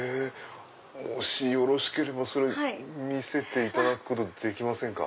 もしよろしければそれ見せていただくことできますか？